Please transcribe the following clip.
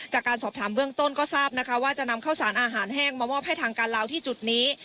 จากการสอบถามเบื้องต้นก็ทราบนะคะว่าจะนำข้าวสารอาหารแห้งมามอบให้ทางการลาวที่จุดนี้